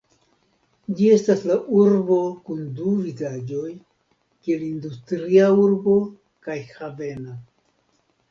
Ĝi estas la urbo kun du vizaĝoj kiel industria urbo kaj havena.